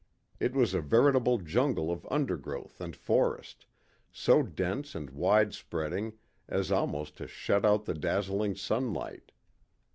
It was a veritable jungle of undergrowth and forest, so dense and wide spreading as almost to shut out the dazzling sunlight.